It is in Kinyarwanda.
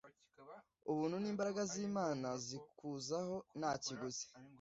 Ubuntu ni imbaraga z’Imana zikuzaho nta kiguzi,